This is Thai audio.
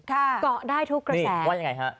ก็ได้ทุกกระแส